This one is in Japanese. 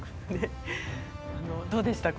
どうですか？